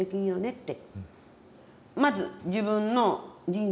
って。